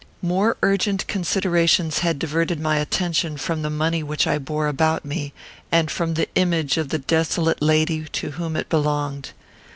More urgent considerations had diverted my attention from the money which I bore about me, and from the image of the desolate lady to whom it belonged.